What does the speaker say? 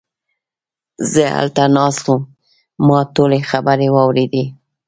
زه هلته ناست وم، ما ټولې خبرې واوريدې!